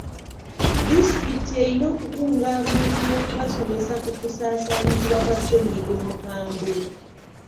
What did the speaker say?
Disitulikiti erina okukunga abantu n'okubasomesa ku kusaasaanyizibwa kwa ssennyiga omukambwe.